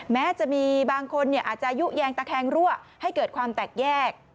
แม้จะมีบางคนอาจจะยุแยงตะแคงรั่วให้เกิดความแตกแยก